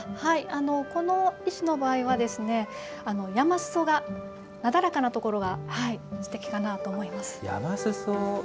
この石の場合は山すそがなだらかなところがすてきかなと思います。